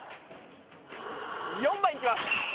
４番いきます